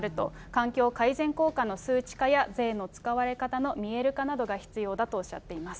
環境改善効果の数値化や、税の使われ方の見えるかなどが必要だとおっしゃっています。